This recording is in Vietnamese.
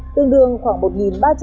tương đương khoảng một ba trăm linh